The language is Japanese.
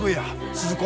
鈴子！